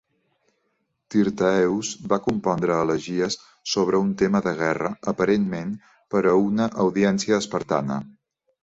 Tyrtaeus va compondre elegies sobre un tema de guerra, aparentment per a una audiència espartana.